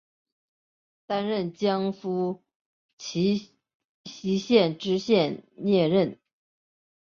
担任江苏荆溪县知县摄任。